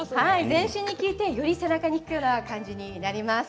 全身に効いてより背中に効くような感じになります。